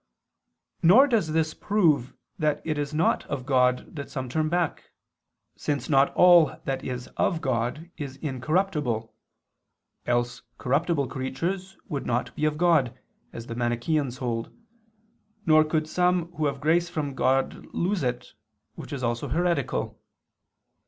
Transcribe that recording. Nor does this prove that it is not of God that some turn back; since not all that is of God is incorruptible: else corruptible creatures would not be of God, as the Manicheans hold, nor could some who have grace from God lose it, which is also heretical.